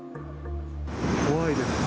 怖いですね。